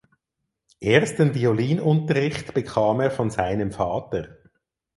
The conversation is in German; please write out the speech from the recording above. Ersten Violinunterricht bekam er von seinem Vater.